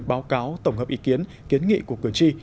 báo cáo tổng hợp ý kiến kiến nghị của cử tri